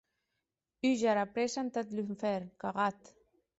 Húger ara prèssa entath lunfèrn, cagat!